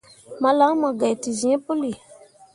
Malan mu gai te zĩĩ puli.